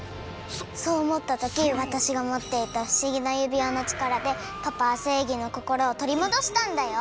そうおもったときわたしがもっていたふしぎなゆびわのちからでパパはせいぎのこころをとりもどしたんだよ！